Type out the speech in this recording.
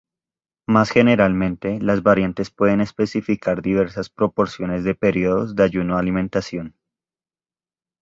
Más generalmente, las variantes pueden especificar diversas proporciones de periodos de ayuno-alimentación.